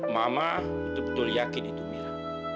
mama betul betul yakin itu mira